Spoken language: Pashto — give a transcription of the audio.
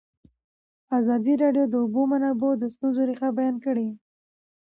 ازادي راډیو د د اوبو منابع د ستونزو رېښه بیان کړې.